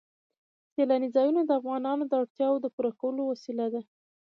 سیلانی ځایونه د افغانانو د اړتیاوو د پوره کولو وسیله ده.